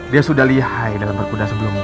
dia sudah lihai dalam berkuda sebelumnya